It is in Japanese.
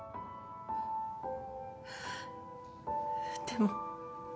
でも。